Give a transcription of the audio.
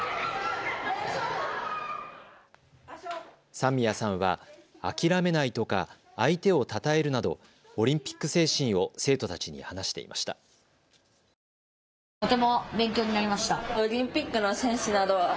三宮さんは諦めないとか相手をたたえるなどオリンピック精神を生徒たちに話していました。